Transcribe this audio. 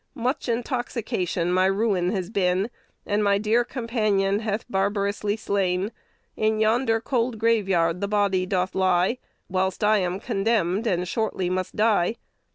"Much intoxication my ruin has been, And my dear companion hath barbarously slain: In yonder cold graveyard the body doth lie; Whilst I am condemned, and shortly must die.